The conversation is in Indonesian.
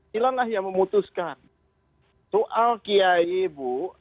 tilan lah yang memutuskan soal qiai bu